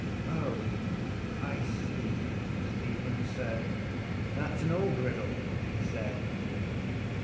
—Oh, I see, Stephen said. —That’s an old riddle, he said.